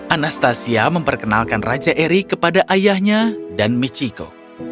anastasia memperkenalkan raja eri kepada ayahnya dan michiko